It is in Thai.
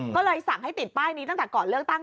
ก็เลยสั่งให้ติดป้ายนี้ตั้งแต่ก่อนเลือกตั้ง